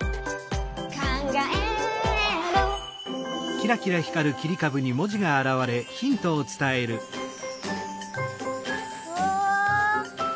「かんがえる」うわ！